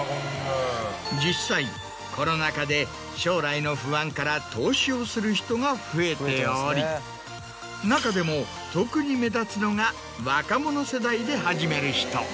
実際コロナ禍で将来の不安から投資をする人が増えており中でも特に目立つのが若者世代で始める人。